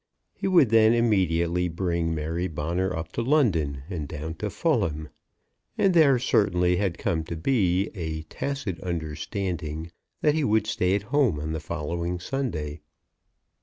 He would then immediately bring Mary Bonner up to London and down to Fulham; and there certainly had come to be a tacit understanding that he would stay at home on the following Sunday.